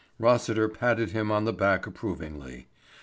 Rossiter patted him on the back approvingly.